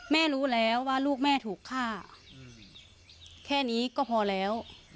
รู้แล้วว่าลูกแม่ถูกฆ่าแค่นี้ก็พอแล้ว